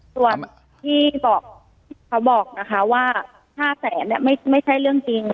ส่วนที่เค้าบอกนะคะว่า๕๐๐๐๐๐ไม่ใช่เรื่องจริงค่ะ